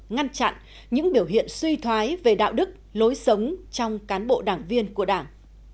ngăn chặn những biểu hiện suy thoái về đạo đức lối sống trong cán bộ đảng viên của đảng